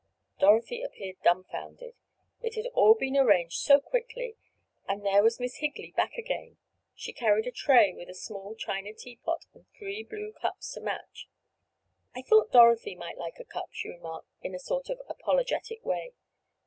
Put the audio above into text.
Dorothy appeared dumfounded. It had all been arranged so quickly—and there was Miss Higley back again. She carried a tray with a small china teapot and three blue cups to match. "I thought Dorothy might like a cup," she remarked in a sort of apologetic way.